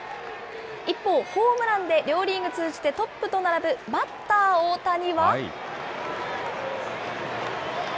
一方、ホームランで両リーグ通じてトップと並ぶ、バッター、大谷は。